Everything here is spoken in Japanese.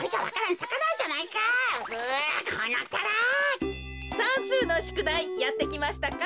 さんすうのしゅくだいやってきましたか？